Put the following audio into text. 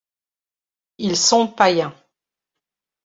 Ils sont païens.